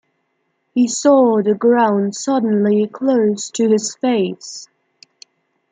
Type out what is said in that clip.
He saw the ground suddenly close to his face.